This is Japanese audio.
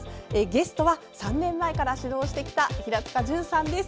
ゲストは、３年前から指導してきた平塚潤さんです。